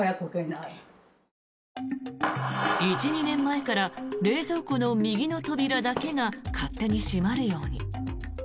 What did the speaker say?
１２年前から冷蔵庫の右の扉だけが勝手に閉まるように。